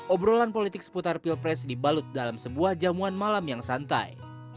obrolan politik seputar pilpres dibalut dalam sebuah jamuan malam yang santai